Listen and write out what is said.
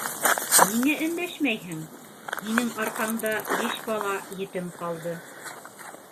Ниңә өндәшмәйһең? һинең арҡанда биш бала етем ҡалды!..